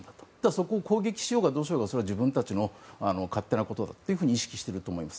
そこを攻撃しようがどうしようが自分たちの勝手だと意識していると思います。